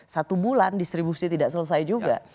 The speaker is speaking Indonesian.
satu bulan distribusi tidak selesai juga